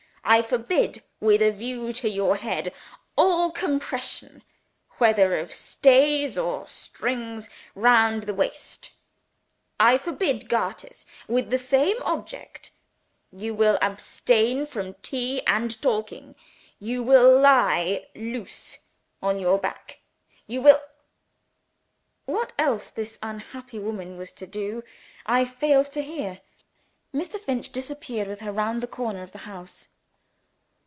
I forbid, with a view to your head, all compression, whether of stays or strings, round the waist. I forbid garters with the same object. You will abstain from tea and talking. You will lie, loose, on your back. You will " What else this unhappy woman was to do, I failed to hear. Mr. Finch disappeared with her, round the corner of the house.